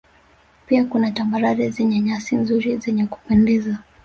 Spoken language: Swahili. Pia kuna Tambarare zenye nyasi nzuri zenye kupendeza